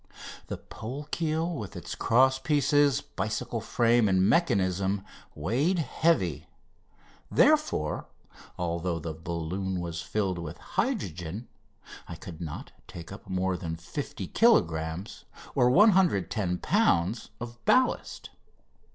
The pole keel with its cross pieces, bicycle frame, and mechanism weighed heavy. Therefore, although the balloon was filled with hydrogen, I could not take up more than 50 kilogrammes (110 lbs.) of ballast.